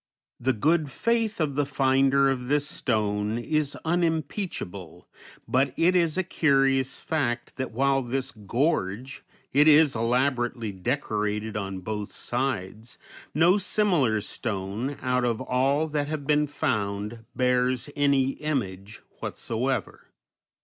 The good faith of the finder of this stone is unimpeachable, but it is a curious fact that, while this gorget is elaborately decorated on both sides, no similar stone, out of all that have been found, bears any image whatsoever.